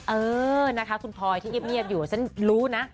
เออนะคะคุณพลอยที่เงียบอยู่ฉันรู้นะ